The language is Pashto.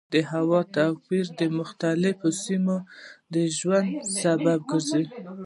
د هوا توپیر د مختلفو سیمو د ژوند سبب کېږي.